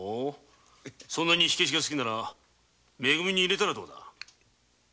そんなに火消しが好きならめ組に入れたらどうだ。